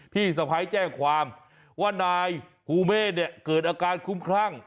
พี่สะพ้ายแจ้งความว่านายภูเมฆเนี่ยเกิดอาการคุ้มคลั่ง